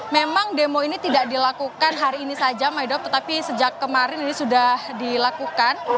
memang demo ini tidak dilakukan hari ini saja maido tetapi sejak kemarin ini sudah dilakukan